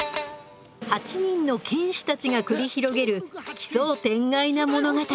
８人の犬士たちが繰り広げる奇想天外な物語。